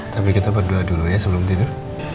tapi kita berdoa dulu ya sebelum tidur